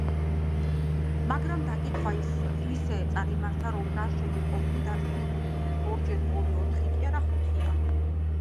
მაგრამ დაკითხვა ისე წარმართა, რომ გარშემო მყოფნი დარწმუნებულიყვნენ: ორჯერ ორი ოთხი კი არა ხუთია.